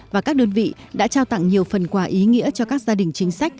và các đơn vị đã trao tặng nhiều phần quà ý nghĩa cho các gia đình chính sách